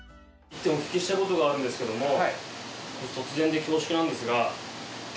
お聞きしたいことがあるんですけども突然で恐縮なんですが。